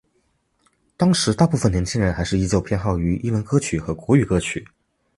当时的大部份年轻人还是依旧偏好于英文歌曲和国语歌曲。